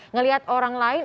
melihat orang lain